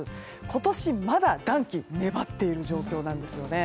今年、まだ暖気が粘っている状況なんですね。